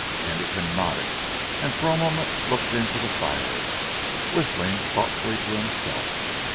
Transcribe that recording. Anderton nodded, and for a moment looked into the fire, whistling thoughtfully to himself.